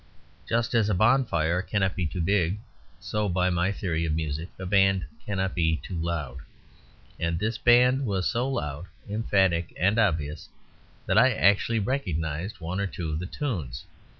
Just as a bonfire cannot be too big, so (by my theory of music) a band cannot be too loud, and this band was so loud, emphatic, and obvious, that I actually recognised one or two of the tunes.